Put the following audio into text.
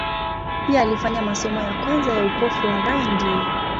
Pia alifanya masomo ya kwanza ya upofu wa rangi.